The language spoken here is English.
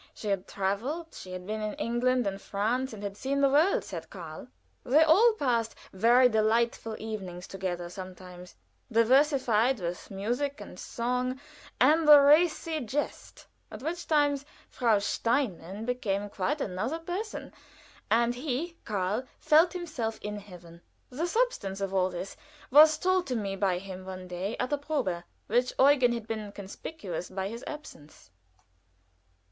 She had traveled she had been in England and France, and seen the world, said Karl. They all passed very delightful evenings together sometimes, diversified with music and song and the racy jest at which times Frau Steinmann became quite another person, and he, Karl, felt himself in heaven. The substance of all this was told me by him one day at a probe, where Eugen had been conspicuous by his absence.